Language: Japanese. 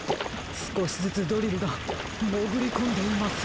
すこしずつドリルがもぐりこんでいます。